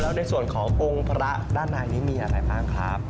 แล้วในส่วนขององค์พระด้านในนี้มีอะไรบ้างครับ